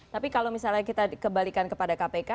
tapi kalau misalnya kita kembalikan kepada kpk